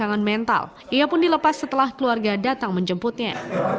dengan mental ia pun dilepas setelah keluarga datang menjemputnya